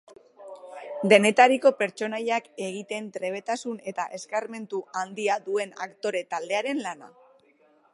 Denetariko pertsonaiak egiten trebetasun eta eskarmentu handia duen aktore taldearen lana.